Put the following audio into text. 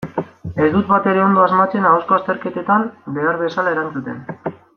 Ez dut batere ondo asmatzen ahozko azterketetan behar bezala erantzuten.